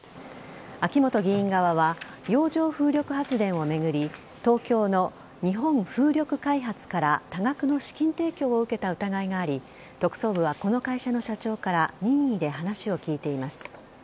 秋本議員側は洋上風力発電を巡り東京の日本風力開発から多額の資金提供を受けた疑いがあり特捜部はこの会社の社長から任意で話を聞いています。